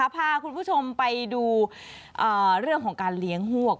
พาคุณผู้ชมไปดูเรื่องของการเลี้ยงหวก